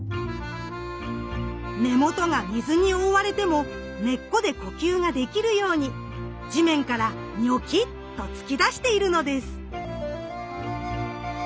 根元が水に覆われても根っこで呼吸ができるように地面からニョキッと突き出しているのです！